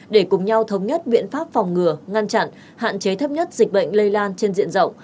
để cùng nhau thống nhất biện pháp phòng ngừa ngăn chặn hạn chế thấp nhất dịch bệnh lây lan trên diện rộng